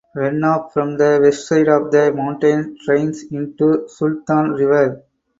Runoff from the west side of the mountain drains into the Sultan River.